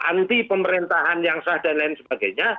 anti pemerintahan yang sah dan lain sebagainya